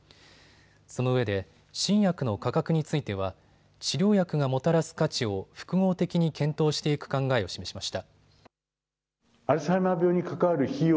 そのうえで新薬の価格については治療薬がもたらす価値を複合的に検討していく考えを示しました。